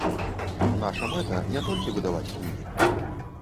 Нашая мэта не толькі выдаваць кнігі.